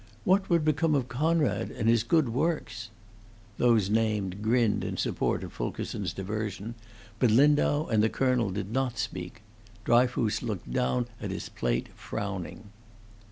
What would become of Conrad and his good works?" Those named grinned in support of Fulkerson's diversion, but Lindau and the colonel did not speak; Dryfoos looked down at his plate, frowning.